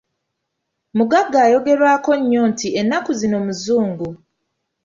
Mugagga ayogerwako nnyo nti ennaku zino muzungu.